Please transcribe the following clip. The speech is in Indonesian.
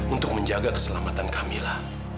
untuk menjaga keselamatan kamila